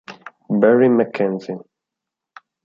Barry MacKenzie